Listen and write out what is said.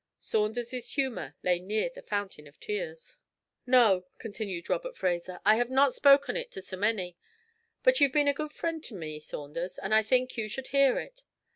Saunders's humour lay near the Fountain of Tears. 'No,' continued Robert Fraser, 'I have not spoken of it to so many; but you've been a good frien' to me, Saunders, and I think you should hear it.